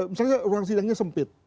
misalnya ruang sidangnya sempit